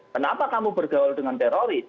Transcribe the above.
kenapa kamu bergaul dengan teroris